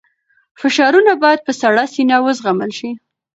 فشارونه باید په سړه سینه وزغمل شي.